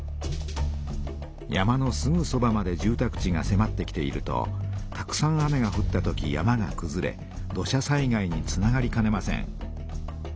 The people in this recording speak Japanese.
山のすぐそばまで住たく地がせまってきているとたくさん雨がふったとき山がくずれ土砂災害につながりかねません。